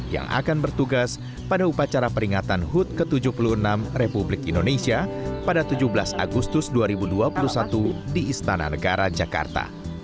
yang akan bertugas pada upacara peringatan hud ke tujuh puluh enam republik indonesia pada tujuh belas agustus dua ribu dua puluh satu di istana negara jakarta